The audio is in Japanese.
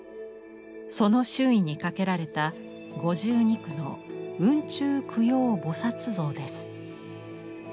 その周囲に掛けられた５２躯の雲中供養菩像です。